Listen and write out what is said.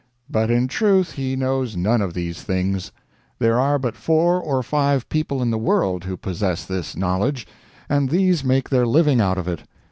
But in truth, he knows none of these things. There are but four or five people in the world who possess this knowledge, and these make their living out of it.